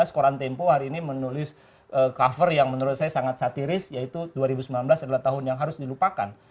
koran tempo hari ini menulis cover yang menurut saya sangat satiris yaitu dua ribu sembilan belas adalah tahun yang harus dilupakan